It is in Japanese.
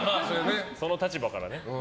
その立場からね。